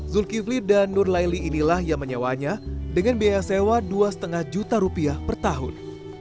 zulkifli dan nur laili inilah yang menyewanya dengan biaya sewa dua lima juta rupiah per tahun